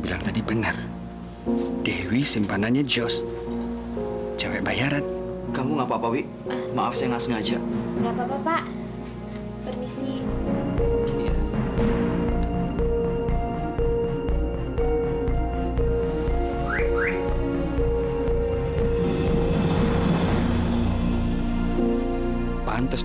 bapak benar minat juga ya bayarin si dewi